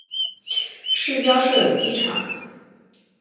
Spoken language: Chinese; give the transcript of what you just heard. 市郊设有机场。